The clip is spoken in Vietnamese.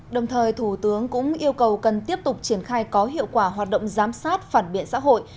đồng thời thủ tướng cũng yêu cầu cần tiếp tục triển khai có hiệu quả hoạt động giám sát phản biện xã hội